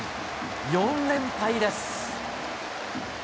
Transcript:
４連敗です。